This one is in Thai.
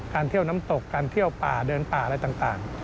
เที่ยวน้ำตกการเที่ยวป่าเดินป่าอะไรต่าง